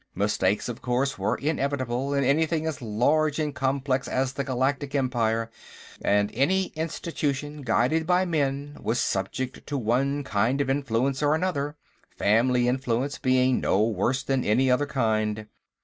Mistakes, of course, were inevitable in anything as large and complex as the Galactic Empire, and any institution guided by men was subject to one kind of influence or another, family influence being no worse than any other kind.